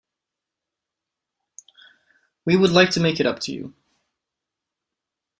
We would like to make it up to you.